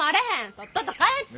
とっとと帰って。